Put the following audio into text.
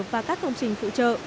và các công trình phụ trợ